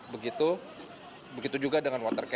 begitu begitu juga dengan masyarakat